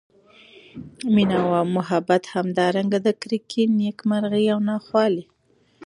مېنه او محبت او همدا رنګه د کرکي، نیک مرغۍ او نا خوالۍ